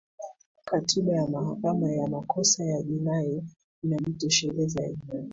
katiba ya mahakama ya makosa ya jinai inajitosheleza yenyewe